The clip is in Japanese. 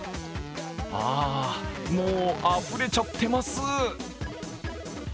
あぁ、もうあふれちゃってます。